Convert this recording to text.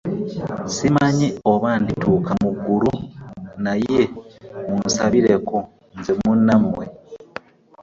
Ssimanyi oba ndituuka mu ggulu, naye munsabireko nze munnammwe.